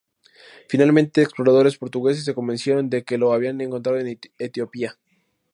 Finalmente, exploradores portugueses se convencieron de que lo habían encontrado en Etiopía.